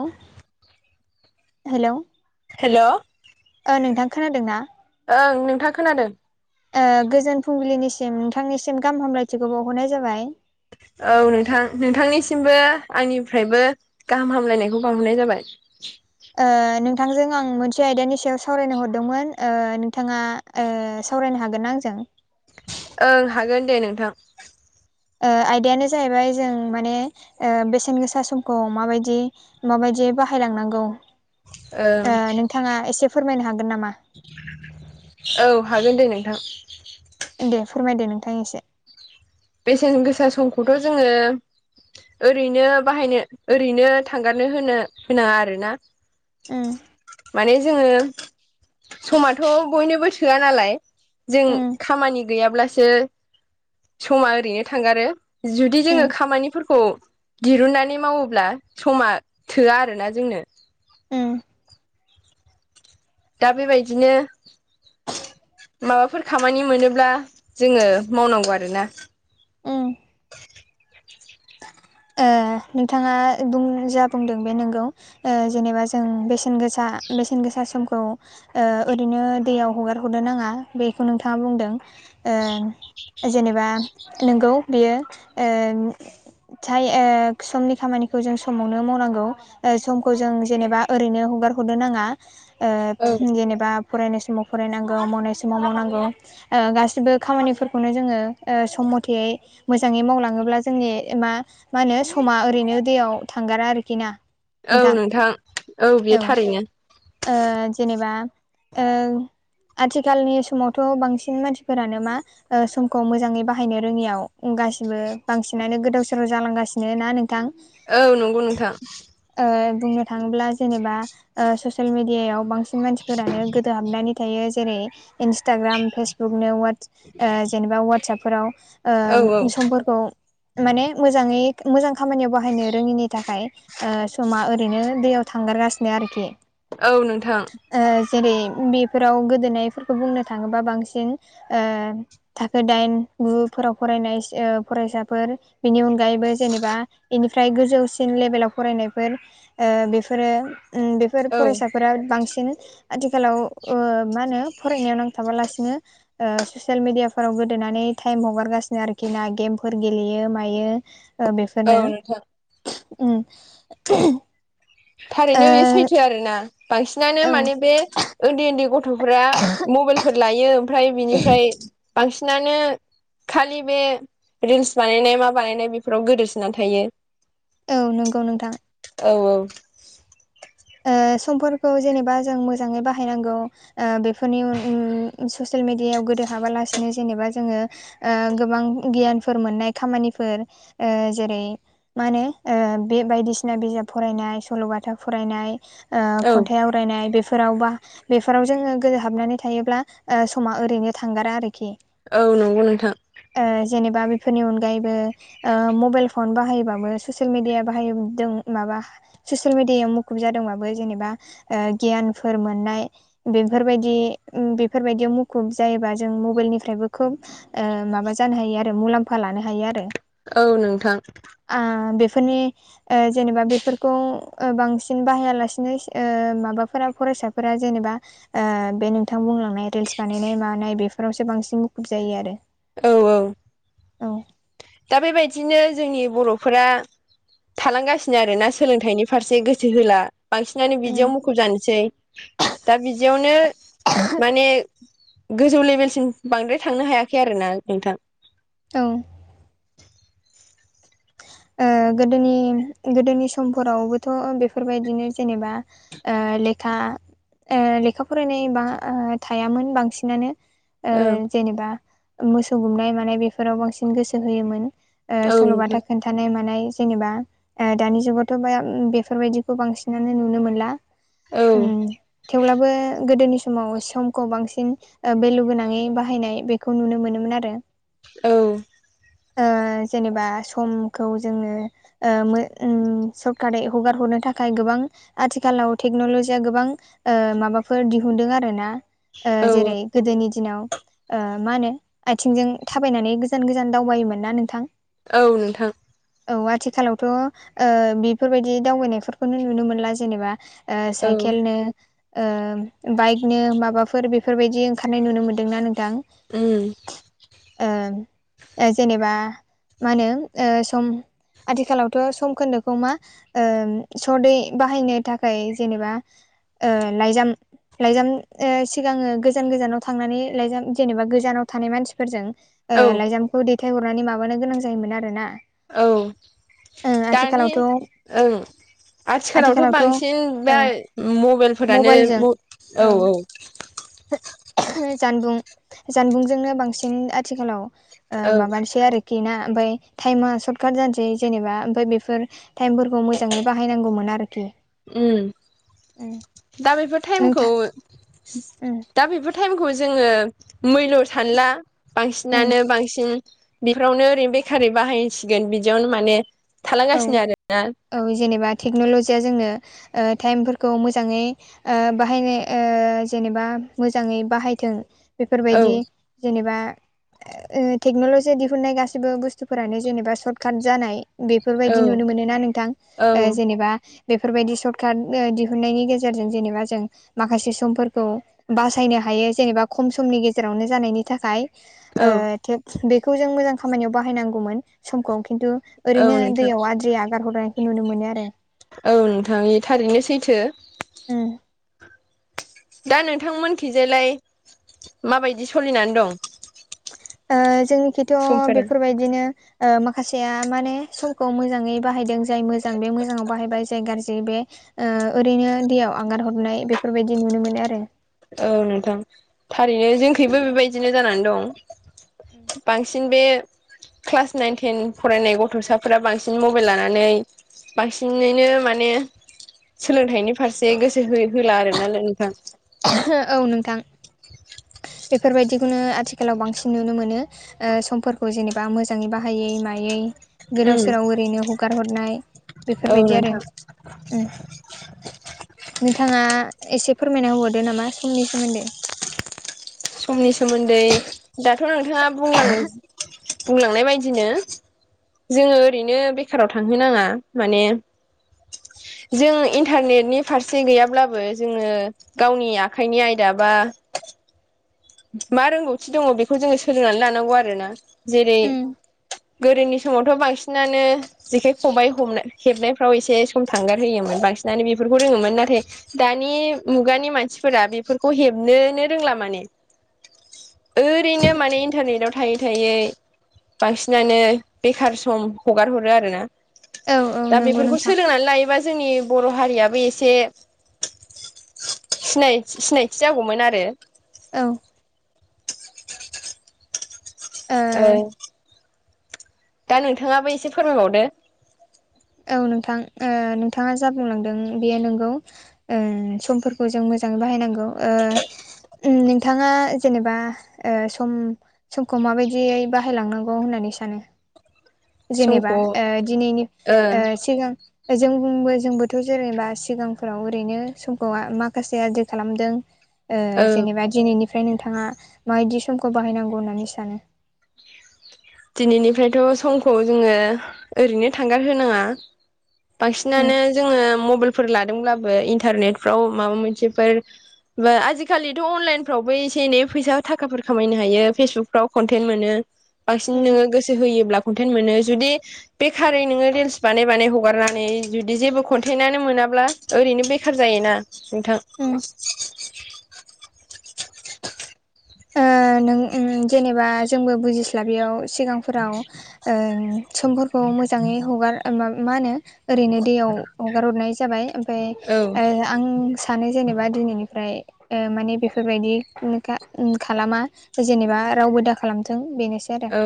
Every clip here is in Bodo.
हेल हेलौ हेल' ओ नोंथां खोनादों ना? ओं नोंथाङ खोनादों। गोजोन फुंबिलिनिसिम नोंथांनिसिम गाहाम हामलायथिखौ बावहरनाय जाबाय। औ नोंथां नोंथांनिसिमबो आंनिफ्रायबो गाहाम हामलायनायखौ बांहरनाय जाबाय। ओ नोंथांजों आं मोनसे आयदानि सायाव सावरायनो हरदोंमोन ओ नोंथाङा ओ सावरायनो हागोनना आंजों? ओं हागोन दे नोंथां। ओ आयदायानो जाहैबाय जों माने बेसेन गोसा समखौ माबायदि माबायदि बाहायलांनांगौ ओं ओ नोंथाङा एसे फोरमायनो हागोन नामा। औ हागोन दे नोंथां। दे फोरमायदो नोंथां एसे। बेसेन गोसा समखौथ' जोङो। ओरैनो बाहायनो ओरैनो थांगारनो होनो होनाङा आरोना। ओं माने जोङो समाथ' बयनोबो थोआ नालाय। जों उम खामानि गैयाब्लासो। समा ओरैनो थांगारो जुदि जोङो उम खामानिफोरखौ। दिरुननानै मावोब्ला समा थोआ आरोना जोंनो। उम दा बेबायदिनो माबाफोर खामानि मोनोब्ला जोङो मावनांगौ आरोना। उम ओ नोंथाङा बुं जा बुंदों बे नोंगौ। ओ जेनेबा जों बेसेन गोसा बेसेन गोसा समखौ। ओ ओरैनो दैयाव हगार हरनो नाङा बेखौ नोंथाङा बुंदों। जेनेबा नोंगौ बियो ओं नाथाय ओ समनि खामानिखौ जों समावनो मावनांगौ। समखौ जों जेनेबा ओरैनो हगार हरनो नाङा औ ओ जेनेबा। फरायनाय समाव फरायनांगौ मावनाय समाव मावनांगौ। ओ गासिबो खामानिफोरखौनो जोङो ओ सम मथे मोजाङै मावलाङोब्ला जोंनि मा मा होनो समा ओरैनो दैयाव थांगारा आरोखि ना। नोंथां बेयो औ थारैनो ओ जेनेबा आथिखालनि समावथ' बांसिन मानसिफोरानो मा समखौ मोजाङै बाहायनो रोङियाव गासिबो बांसिनानो गोदाव सोराव जालांगासिनो ना नोंथां? औ नंगौ नोंथां। ओ बुंनो थाङोब्ला जेनेबा ओ ससियेल मिडि इयायाव बांसिन मानसिफोरानो गोदो हाबनानै थायो जेरै इन्सटाग्राम फेसबुकनो वाट्सप जेनेबा ववाट्सपफोराव औ औ ओ समफोरखौ माने मोजाङै मोजां खामानियाव बाहायनो रोङिनि थाखाय समा ओरैनो दैयाव थांगारगासिनो आरोखि औ नोंथां। जेरै बेफोराव गोदोनायफोरखौ बुंनो थाङोबा बांसिन थाखो दाइन गु फोराव फरायनाय फरायसाफोर बेनि अनगायैबो जेनेबा बेनिफ्राय गोजौसिन लेभेलाव फरायनायफोर बेफोरो उम बेफोर औ फरायसा बिराद बांसिन आथिखालाव ओ मा होनो फरायनायाव नांथाबालासिनो ओ ससियेल मिडियाफोराव गोदोनानै टाइम हगारगासिनो आरोखि ना गेमफोर गेलेयो हायो औ बेफोरनो नोंथां उम थारैनो बेयो सैथो आरोना बांसिनानो ओ माने बे उन्दै उन्दै गथ'फोरा मबाइलफोर लायो ओमफ्राय बिनिफ्राय बांसिनानो खालि बे रिल्स बानायनाय मा बानायनाय बेफोराव गोदोसोनानै थायो। औ नंगौ नोंथां। औ औ। समफोरखौ जेनेबा जों मोजाङै बाहायनांगौ ओ बेफोरनि ससियेल मेडियायाव गोदो हाबालासिनो जेनेबा जोङो ओ गोबां गियानफोर मोननाय खामानिफोर ओ जेरै मा होने बे बायदिसिना बिजाब फरायनाय सल'बाथा फरायनाय औ खन्थाइ आव फरायनाय बेफोरावबा बेफोराव जोङो गोजो हाबनानै थायोब्ला समा ओरैनो थांगारा आरोखि औ नंगौ नोंथां। ओ जेनेबा बेफोरनि अनगायैबो ओ मबाइल फन बाहायबाबो ससियेल मिडिया बाहायदों माबा ससियेल मिडियायाव खुब जादोंबाबो जेनेबा गियानफोर मोननाय बेफोरबायदि बेफोरबायदियाव मुखुब जायोबा जों मबाइलनिफ्रायबो खुब माबा जानो हायो आरो मुलाम्फा लानो हायो आरो। औ नोंथां। आ बेफोरनि ओ जेनेबा बेफोरखौ बांसिन बाहायालासेनो ओ माबाफोरा फरायसाफोरा जेनेबा ओ बे नोंथां बुंलां रिल्स बानायनाय मानाय बेफोरावसो बांसिन मुखुब जायो आरो। औ औ। औ। दा बेबायदिनो जोंनि बर'फोरा थालांगासिनो आरो ना सोलोंथाइनि फारसे गोसो होला बांसिनानो उम बिदियाव मुखुब जानोसै दा बिदियावनो माने गोजौ लेभेलसिम बांद्राय थांनो हायाखै आरोना नोंथां। औ। ओ गोदोनि गोदोनि समफोरावबोथ' बेफोरबायदिनो जेनेबा ओ लेखा ओ लेखा फरायनाय बा ओ थायामोन बांसिनानो। जेनेबा मोसौ गुमनाय मानाय बेफोराव बांसिन गोसो होयोमोन ओ औ सल'बा नोंथां खोन्थानाय मानाय जेनेबा ओ दानि जुगावथ' बा ओम बेफोरबायदिखौ बांसिनानो नुनो मोनला। औ उम थेवब्लाबो गोदोनि स माव समखौ बांसिन ओ बेलु गोनाङै बाहायनाय बेखौ नुनो मोनोमोन आरो। औ ओ जेनेबा समखौ जोङो ओ मो ओम सर्ट कार्टै हगार हरनो थाखाय गोबां आथिखालाव टेक्न'ल'जिया गोबां ओ माबाफोर दिहुनदों आरोना ओ औ जेरै गोदोनि दिनाव ओ मा होनो आथिंजों थाबायनानै गोजान गोजान दावबायोमोन ना नोंथां? औ नोंथां। औ आथिखालावथ' ओ बेफोरबायदि दावबायनायफोरखौनो नुनो मोनला जेनेबा। ओ औ साइकेलनो ओ बाइकनो माबाफोर बेफोरबायदि ओंखारनाय नुनो मोनदोंना नोंथां? उ ओं ओ जेनेबा मा होनो ओ सम आथिखालावथ' सम खोन्दोखौ मा ओ सदै बाहायनो थाखाय जेनेबा ओ लाइजाम लाइजाम ओ सिगाङो गोजान गोजानाव थांनानै लाइजाम जेनेबा गोजानाव थानाय मानसिफोरजों ओ औ लाइजामखौ दैथाय हरनानै माबानो गोनां जायोमोन आरो ना। औ दानि आथिखालावथ' ओं आथिखालावथ' बांसिन दा मबाइलफोरानो मबाइलजों औ औ जानबुं जानबुंजोंनो बांसिन आथिखालाव ओ औ माबानोसै आरो गेना ओमफाय टाइमा सर्टकाट जानोसै जेनेबा ओमफ्राय बेफोर टाइमफोरखौ मोजाङै बाहायनांगौमोन आरोखि ओम उम दा बेफोर टाइमखौ उ दा बेफोर टाइमखौ जोङो मैल' सानोना उम बांसिनानो बांसिन बेफ्रावनो ओरैनो बेखारारि बाहायसिगोन बिदियावनो माने औ थालांगासिनो आरोना। औ जेनेबा टेक्न'ल'जिया जोंनो ओ टाइमफोरखौ मोजाङै ओ बाहायनो ओ जेनेबा मोजाङै बाहायथों औ बेफोरबायदि जेनेबा ओ टेक्न'लजिया दिहुननाय गासिबो बुस्थुफोरानो जेनेबा सर्ट काट जानाय बि औ बेफोरबायदि नुनो मोनो ना नोंथां ओ औ जेनेबा बेफोरबायदि सर्ट काट ओ दिहुननायनि गेजेरजों जेनेबा जों माखासे समफोरखौ बासायनो हायो जेनेबा खम समनि गेजेरावनो जानायनि थाखाय। ओ औ थोद बेखौ जों मोजां खामानियाव बाहायनांगौमोन समखौ खिन्थु औ ओरैनो नोंथां दैयाव आद्रि आगार हरनायखौ नुनो मोनो आरो औ नोंथांनि थारैनो सैथो। उम दा नोंथांमोनथिंजायलाय माबायदि सोलिनानै दं? ओ जोंनिखिथ' समफोरा बेफोरबायदिनो ओ माखासेया माने समखौ मोजाङै बाहायदों जाय मोजां बे मोजाङाव बाहायबाय जाय गाज्रि बे ओ ओरैनो दैयाव आगार हरनाय बेफोरबायदि नुनो मोनो आरो। औ नोंथां थारैनो जोंखैबो बेबायदिनो जानानै दं बांसिन बे क्लास नाइन टेन फरायनाय गथ'साफोरा बांसिन मबाइल लानानै बांसिनैनो माने सोलोंथाइनि फारसे गोसो हो होला आरोना नोंथां। औ नोंथां बेफोर बायदिखौनो आथिखालाव बांसिन नुनो मोनो। ओ समफोरखौ जेनेबा मोजाङै बाहायै मायै गोदाव उम सोराव ओरैनो हगार हरनाय औ बेफोरबायदि आरो नोंथां। उम नोंथाङा एसे फोरमायना होबावदो नामा समनि सोमोन्दै। समनि सोमोन्दै दाथ' नोंथाङा बुंलां बुंलांनाय बायदिनो जोङो ओरैनो बेखाराव थांहो नाङा माने जों इन्टारनेटनि फारसे गैयाब्लाबो जोङो गावनि आखाइनि आयदा बा मा रोंगौथि दङ बेखौ जोङो सोलोंनानै लानांगौ आरोना। जेरै उम गोदोनि समावथ' बांसिनानो जेखाइ खबाइ हमना हेबनायफ्राव एसे सम थांगार होयोमोन बांसिनानो बेफोरखौ रोङोमोन नाथाय दानि मुगानि मानसिफोरा बेफोरखौ हेबनोनो रोंला माने ओरैनो माने इन्टारनेट आव थायै थायै बांसिनानो बेखार सम हगार हरो आरोना औ औ दा नंगौ बेफोरखौ नोंथां सोलोंनानै लायोबा जोंनि बर' हारियाबो एसे सिनाय सिनायथि जागौमोन आरो औ। ओ दा नोंथाङाबो एसे फोरमायबावदो। औ नोंथां नोंथाङा जा बुंलांदों बेयो नोंगौ ओ समफोरखौ जों मोजाङै बाहायनांगौ ओ उम नोंथाङा जेनेबा ओ सम समखौ माबायदियै बाहायलांनांगौ होननानै सानो जेनेबा ओ दिनैनि ओ सिगां जोंबो जोंबोथ' जेनेबा सिगांफोराव ओरैनो समखौ माखासे आद्रि खालामदों। ओ औ जेनेबा दिनैनिफ्राय नोंथाङा माबायदि समखौ बाहायनांगौ होननानै सानो? दिनैनिफ्रायथ' समखौ जोङो ओरैनो थांगार होनाङा। बांसिनानो जोङो मबाइलफोर लादोंब्लाबो इन्टारनेटफ्राव माबा मोनसेफोर बा आजिखालिथ' अनलाइनफ्रावबो एसे एनै फैसा थाखाफोर खामायनो हायो फेसबुकफ्राव कन्टेन मोनो। बांसिन उम नोङो गोसो होयोब्ला कनटेन्ट मोनो। जुदि बेखारै नोङो रिल्स बानाय बानाय हगारनानै जुदि जेबो खन्थाइानो मोनाब्ला ओरैनो बेखार जायोना नोंथां। उम ओ नों उम जेनेबा जोंबो बुजिस्लाबियाव सिगांफोराव ओ समफोरखौ मोजाङै हगार मा होनो। ओरैनो दैयाव हगार हरनाय जाबाय ओमफाय औ ओ आं सानै जेनेबा दिनैनिफ्राय ओ माने बेफोरबायदि खालामा। जेनेबा रावबो दा खालामथों बेनोसै आरो औ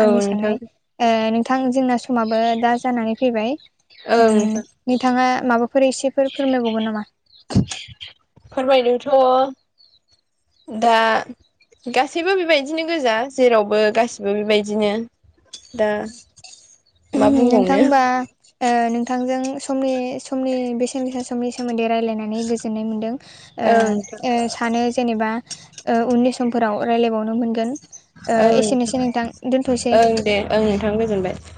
औ आंनि नोंथां साननाय। ओ नोंथां जोंना समाबो दा जानानै फैबाय ओं उम नोंथां नोंथाङा माबा फोर इसेफोर फोरमायबावगोन नामा? फोरमायदोंथ' दा गासैबो बेबायदिनो गोजा जेरावबो गाससिबो बेबायदिनो दा मा नोंथां बुंबावनो होनबा ओ नोंथांजों समनि समनि बेसेन गोसा समनि सोमोन्दै रायलायनानै गोजोननाय मोन्दों। ओं नोंथां ओ सानो जेनेबा उननि समफोराव राय्लायबावनो मोनगोन। ओ ओं एसेनोसै ओं नोंथां दे दोनथ'सै। ओं नोंथां गोजोनबाय।